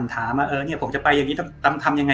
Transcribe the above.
ก็ถามว่าครูจะไปแบบนี้ทำยังไง